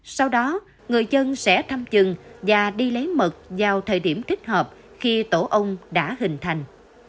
sau đó người dân sẽ thăm chừng và đi lấy mật vào thời điểm thích hợp khi tổ ong đã hình thành